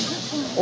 お。